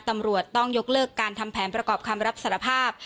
ตำรวจต้องยกเลิกการทำแผนประกอบคำรับสารภาพ